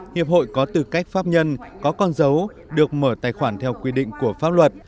hiệp hội có tư cách pháp nhân có con dấu được mở tài khoản theo quy định của pháp luật